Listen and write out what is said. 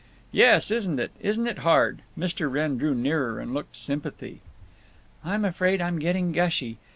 "Yes, isn't it! Isn't it hard!" Mr. Wrenn drew nearer and looked sympathy. "I'm afraid I'm getting gushy.